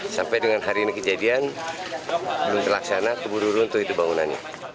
sampai dengan hari ini kejadian belum terlaksana keburu runtuh itu bangunannya